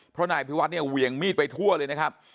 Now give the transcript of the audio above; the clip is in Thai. เพราะนายอภิวัตเนี่ยเวียงมีดไปทั่วเลยนะครับ